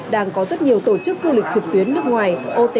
đang có rất nhiều tổ chức du lịch trực tuyến nước ngoài